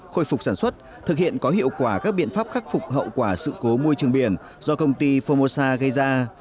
khôi phục sản xuất thực hiện có hiệu quả các biện pháp khắc phục hậu quả sự cố môi trường biển do công ty formosa gây ra